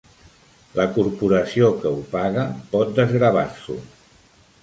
La corporació que ho paga pot desgravar-s'ho.